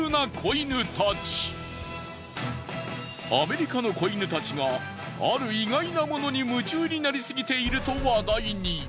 アメリカの子犬たちがある意外なものに夢中になりすぎていると話題に。